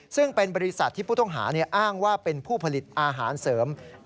ซึ่งเป็นบริษัทที่ผู้ต้องหาอ้างว่าเป็นผู้ผลิตอาหารเสริม